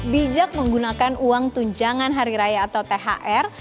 bijak menggunakan uang tunjangan hari raya atau thr